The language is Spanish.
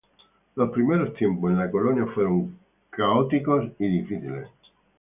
Los primeros tiempos en la colonia fueron caóticos y difíciles.